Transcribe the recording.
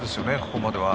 ここまでは。